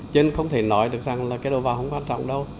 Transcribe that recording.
cho nên không thể nói được rằng là cái đầu vào không quan trọng đâu